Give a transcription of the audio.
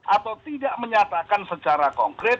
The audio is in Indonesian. atau tidak menyatakan secara konkret